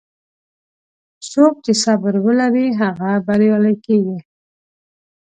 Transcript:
څوک چې صبر ولري، هغه بریالی کېږي.